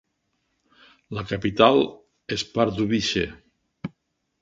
La capital és Pardubice.